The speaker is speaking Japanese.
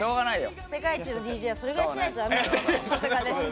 世界一のＤＪはそれぐらいしないと。